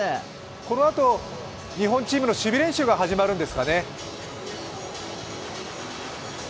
このあと日本チームの守備練習が始まるんですかね。